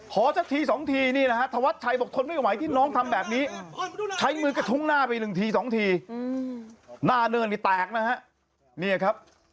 สักทีสองทีนี่นะฮะธวัดชัยบอกทนไม่ไหวที่น้องทำแบบนี้ใช้มือกระทุ้งหน้าไปหนึ่งทีสองทีหน้าเนินนี่แตกนะฮะเนี่ยครับ